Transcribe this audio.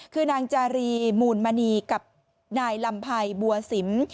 คือนางจารีหมูนมะนีกับนายลัมไพก์บัวศิมฯ